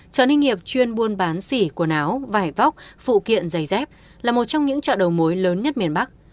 chợ ninh hiệp chuyên buôn bán xỉ quần áo vải vóc phụ kiện giày dép là một trong những chợ đầu mối lớn nhất miền bắc